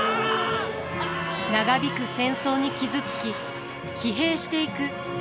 長引く戦争に傷つき疲弊していく家臣たち。